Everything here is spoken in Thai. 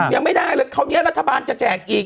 ยังไม่ได้เลยคราวนี้รัฐบาลจะแจกอีก